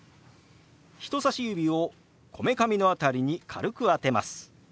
人さし指をこめかみの辺りに軽く当てます。